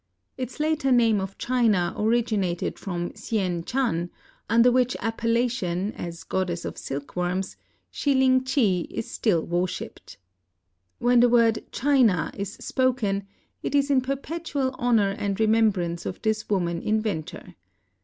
Its later name of China originated from Sien Tshan, under which appellation, as goddess of silk worms, Si ling chi is still wor shiped. When the word China is spoken, it is in perpetual honor and remembrance of this woman inventor.